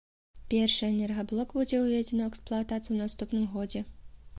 Першы энергаблок будзе ўведзены ў эксплуатацыю ў наступным годзе.